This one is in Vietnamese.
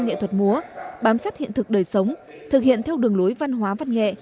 nghệ thuật múa bám sát hiện thực đời sống thực hiện theo đường lối văn hóa văn nghệ